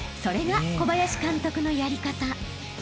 ［それが小林監督のやり方］